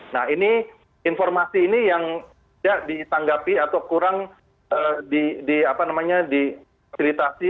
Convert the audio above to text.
nah ini informasi ini yang tidak ditanggapi atau kurang difasilitasi